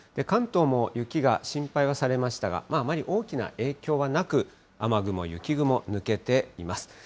関東も雪が心配はされましたが、あまり大きな影響はなく、雨雲、雪雲、抜けています。